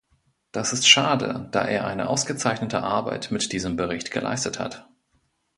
Das ist schade, da er eine ausgezeichnete Arbeit mit diesem Bericht geleistet hat.